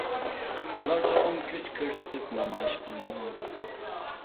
ئۇلار چوقۇم كۈچ كۆرسىتىپ نامايىش قىلىدۇ.